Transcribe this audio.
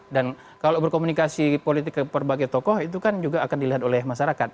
dan kalau berkomunikasi politik ke berbagai tokoh itu kan juga akan dilihat oleh masyarakat